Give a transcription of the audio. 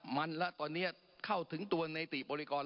มันแล้วตอนนี้เข้าถึงตัวในติบริกร